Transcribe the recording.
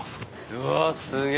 うわっすげえ！